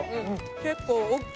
結構大きい。